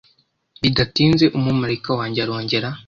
Bidatinze, Umumarayika wanjye arongera